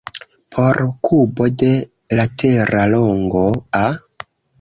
Por kubo de latera longo "a",